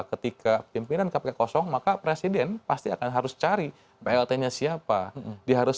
ketika pimpinan kpk kosong maka presiden pasti akan harus cari plt nya siapa dia harus